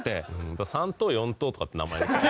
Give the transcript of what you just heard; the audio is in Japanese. だから「３等４等」とかって名前に。